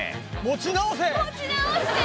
持ち直せ！